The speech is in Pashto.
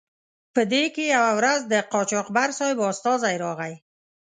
په دې کې یوه ورځ د قاچاقبر صاحب استازی راغی.